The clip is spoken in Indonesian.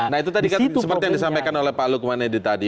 nah itu tadi kan seperti yang disampaikan oleh pak lukman edi tadi